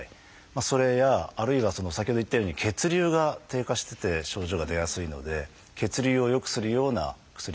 それやあるいは先ほど言ったように血流が低下してて症状が出やすいので血流を良くするような薬